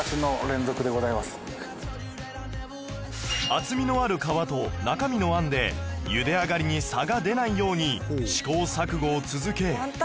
厚みのある皮と中身の餡で茹で上がりに差が出ないように試行錯誤を続け